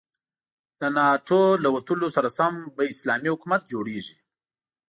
د ناتو له وتلو سره سم به اسلامي حکومت جوړيږي.